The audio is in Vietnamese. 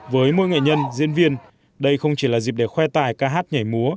với mỗi nghệ nhân diễn viên đây không chỉ là dịp để khoe tài ca hát nhảy múa